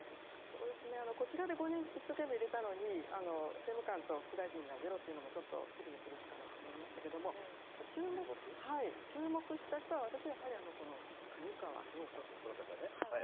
そうですね、こちらで５人、一生懸命入れたのに、政務官と副大臣がゼロっていうのも、ちょっと支離滅裂かなと思いましたけど、注目した人は、私は、やはりこの上川陽子さん。